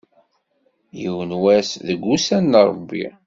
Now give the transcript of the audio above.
Yiwen wass, deg ussan n Ṛebbi.